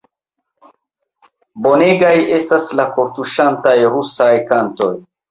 Bonegaj estas la kortuŝantaj rusaj kantoj!